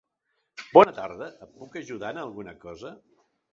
Bona tarda, et puc ajudar en alguna cosa?